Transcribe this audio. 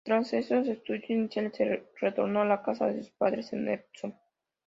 Tras estos estudios iniciales retornó a la casa de sus padres en Epsom.